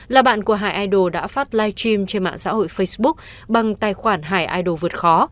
là bạn của hải idol đã phát live stream trên mạng xã hội facebook bằng tài khoản hải idol vượt khó